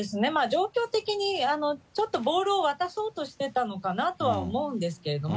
状況的にちょっとボールを渡そうとしてたのかなと思うんですけれども。